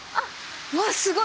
うわっすごい！